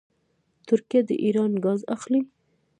ترکیه د ایران ګاز اخلي.